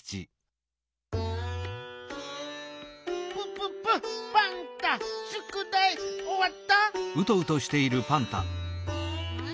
プププパンタしゅくだいおわった？え？